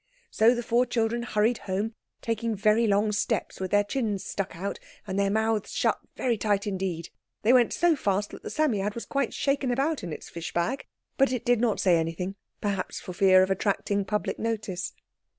So the four children hurried home, taking very long steps, with their chins stuck out, and their mouths shut very tight indeed. They went so fast that the Psammead was quite shaken about in its fish bag, but it did not say anything—perhaps for fear of attracting public notice.